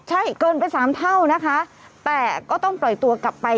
ใช่เกินไปสามเท่านะคะแต่ก็ต้องปล่อยตัวกลับไป